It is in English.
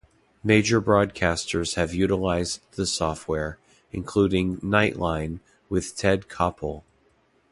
Major broadcasters have utilized the software, including "Nightline" with Ted Koppel.